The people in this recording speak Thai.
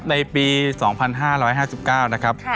ในปี๒๕๕๙นะครับ